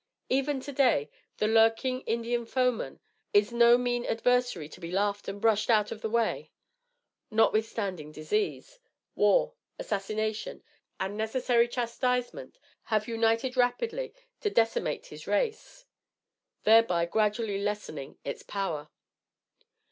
Even to day, the lurking Indian foeman is no mean adversary to be laughed and brushed out of the way, notwithstanding disease, war, assassination and necessary chastisement have united rapidly to decimate his race, thereby gradually lessening its power.